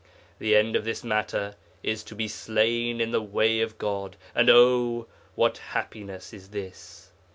The end of this matter is to be slain in the way of God, and O! what happiness is this!